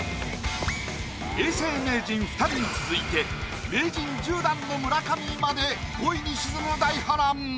永世名人２人に続いて名人１０段の村上まで５位に沈む大波乱！